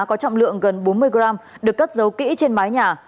có trọng lượng gần bốn mươi gram được cất giấu kỹ trên mái nhà